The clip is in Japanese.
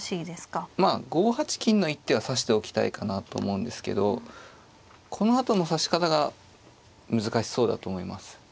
まあ５八金の一手は指しておきたいかなと思うんですけどこのあとの指し方が難しそうだと思います。